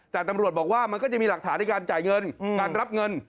แต่ตำรวจบอกว่ามันก็จะมีหลักฐานในการจ่ายเงินการรับเงิน